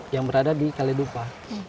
yang berada di kaledupa